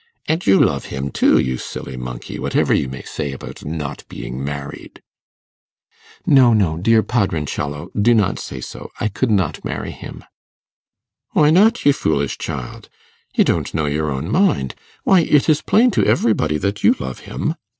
And you love him too, you silly monkey, whatever you may say about not being married.' 'No, no, dear Padroncello, do not say so; I could not marry him.' 'Why not, you foolish child? You don't know your own mind. Why, it is plain to everybody that you love him.